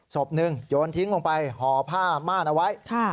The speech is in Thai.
ศพหนึ่งโยนทิ้งลงไปห่อผ้าม่านเอาไว้